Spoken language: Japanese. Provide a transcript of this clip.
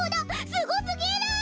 すごすぎる！